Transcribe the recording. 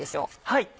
はい！